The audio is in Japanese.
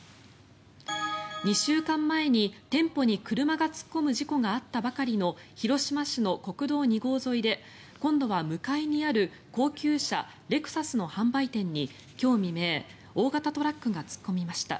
２週間前に店舗に車が突っ込む事故があったばかりの広島市の国道２号沿いで今度は向かいにある高級車レクサスの販売店に今日未明、大型トラックが突っ込みました。